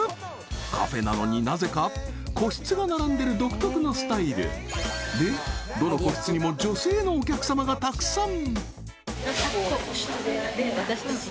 カフェなのになぜか個室が並んでる独特のスタイルでどの個室にも女性のお客さまがたくさん！